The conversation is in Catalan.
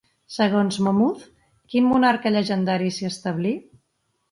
Segons Monmouth, quin monarca llegendari s'hi establí?